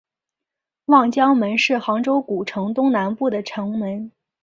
望江门是杭州古城东南部的城门。